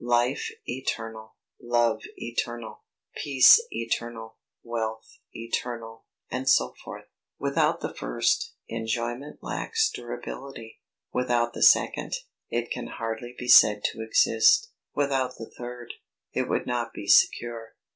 Life Eternal. Love Eternal. Peace Eternal. Wealth Eternal. &c. Without the first, enjoyment lacks durability. Without the second, it can hardly be said to exist. Without the third, it would not be secure.